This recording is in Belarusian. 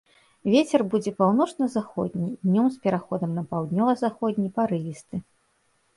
Вецер будзе паўночна-заходні, днём з пераходам на паўднёва-заходні, парывісты.